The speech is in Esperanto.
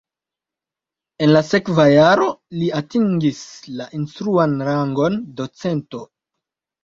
En la sekva jaro li atingis la instruan rangon docento.